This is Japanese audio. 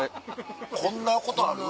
こんなことある？